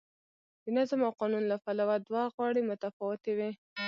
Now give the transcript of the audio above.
د نظم او قانون له پلوه دواړه غاړې متفاوتې وې.